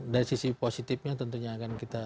dari sisi positifnya tentunya akan kita